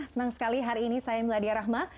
senang sekali hari ini saya miladia rahma